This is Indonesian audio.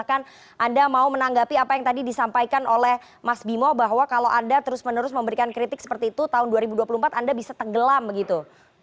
anda mau menanggapi apa yang tadi disampaikan oleh mas bimo bahwa kalau anda terus menerus memberikan kritik seperti itu tahun dua ribu dua puluh empat anda bisa tenggelam begitu